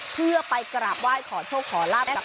เพื่อไปกราบไหว้ขอโชคขอลาบกับ